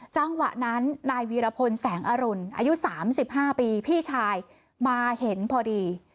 จังหวะนั้นนายวีรพลแสงอรุณอายุ๓๕ปีพี่ชายมาเห็นพอดี